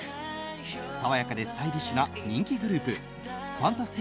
爽やかでスタイリッシュな人気グループ